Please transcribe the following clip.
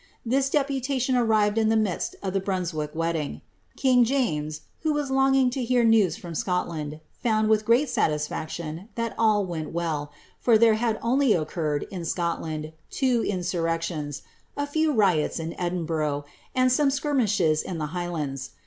This deputation arrived in the midst of the Brunswick wedding. King James, who was longing to hear news from Scotland, found, with great satis frction, that all went well, for there had only occurred, in Scotland, two insurrections, a few riots in Ekiinburgh, and some skirmishes in the High lands.